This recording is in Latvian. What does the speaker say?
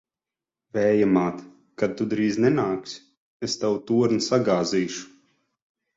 Vēja māt! Kad tu drīzi nenāksi, es tavu torni sagāzīšu!